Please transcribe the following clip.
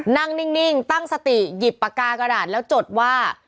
นิ่งตั้งสติหยิบปากกากระดาษแล้วจดว่า